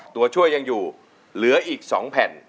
ตัวช่วยยังอยู่เหลืออีก๒แผ่น